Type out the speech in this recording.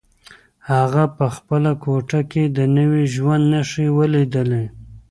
هغه په خپله کوټه کې د نوي ژوند نښې ولیدلې.